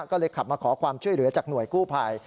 ก็เลยขับมาขอความช่วยเหลือจากหน่วยกู้ภัย